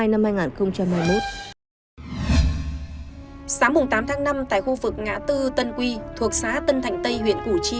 sáng tám tháng năm tại khu vực ngã tư tân quy thuộc xá tân thành tây huyện củ chi